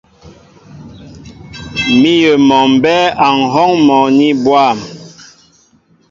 Míyə mɔ mbɛ́ɛ́ a ŋ̀hɔ́ŋ mɔní bwâm.